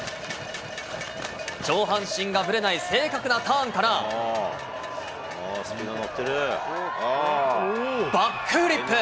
上半身がぶれない正確なターンから、バックフリップ。